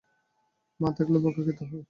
মা থাকলে বকা খেতে হয়।